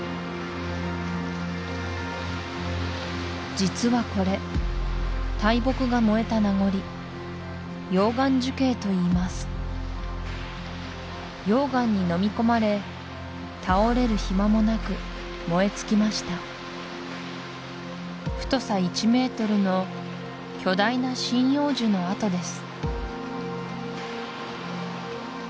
実はこれ大木が燃えた名残溶岩樹形といいます溶岩に飲み込まれ倒れる暇もなく燃え尽きました太さ１メートルの巨大な針葉樹の跡です